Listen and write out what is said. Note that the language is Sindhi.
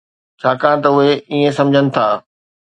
ڇاڪاڻ ته اهي ائين سمجهن ٿا.